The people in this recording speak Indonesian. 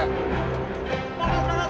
pak pak pak